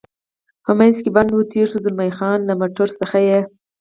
په منځ کې بند و، تېر شو، زلمی خان: له موټرو څخه یې.